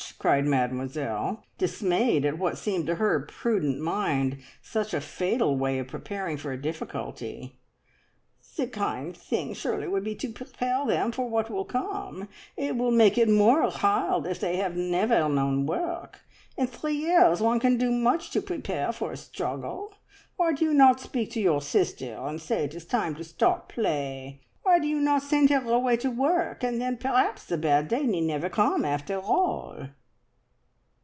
cried Mademoiselle, dismayed at what seemed to her prudent mind such a fatal way of preparing for a difficulty. "The kind thing surely would be to prepare them for what will come. It will make it more hard if they have never known work. In three years one can do much to prepare for a struggle. Why do you not speak to your sister, and say it is time to stop play? Why do you not send her away to work, and then perhaps the bad day need never come after all?"